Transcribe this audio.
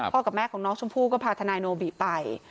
กับแม่ของน้องชมพู่ก็พาทนายโนบิไป